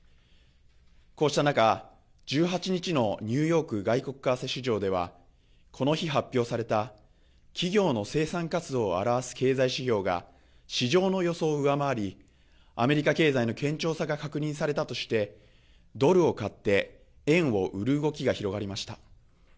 こうした中、１８日のニューヨーク外国為替市場ではこの日、発表された企業の生産活動を表す経済指標が市場の予想を上回りアメリカ経済の堅調さが確認されたとしてドルを買って円を売る動きが広がりました。